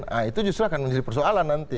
nah itu justru akan menjadi persoalan nanti